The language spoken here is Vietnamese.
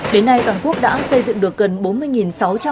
đến nay toàn quốc đã xây dựng được gần bốn mươi nhà